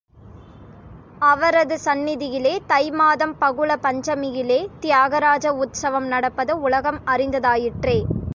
அவரது சந்நிதியிலே தை மாதம் பகுள பஞ்சமியிலே தியாக ராஜ உத்சவம் நடப்பது உலகம் அறிந்ததாயிற்றே.